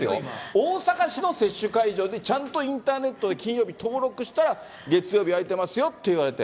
大阪市の接種会場で、ちゃんとインターネットで、金曜日登録したら、月曜日空いてますよって言われて。